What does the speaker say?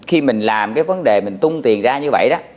khi mình làm cái vấn đề mình tung tiền ra như vậy đó